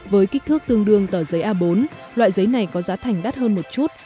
với kích thước tương đương tờ giấy a bốn loại giấy này có giá thành đắt hơn một chút